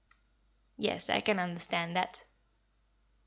"Yes, I can understand that."